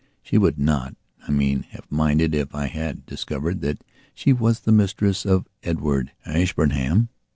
She would not, I mean, have minded if I had discovered that she was the mistress of Edward Ashburnham.